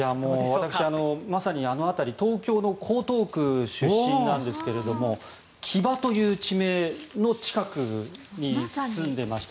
私、まさにあの辺り東京の江東区出身なんですが木場という地名の近くに住んでまして。